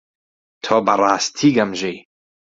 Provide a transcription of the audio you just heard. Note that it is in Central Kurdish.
تۆ بەڕاستی گەمژەی.